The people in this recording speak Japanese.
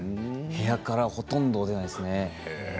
部屋からほとんど出ないですね。